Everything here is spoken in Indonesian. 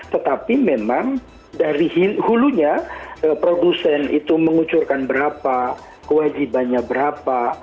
tetapi memang dari hulunya produsen itu mengucurkan berapa kewajibannya berapa